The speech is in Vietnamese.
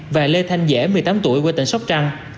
và lê thanh dễ một mươi tám tuổi quê tỉnh sóc trăng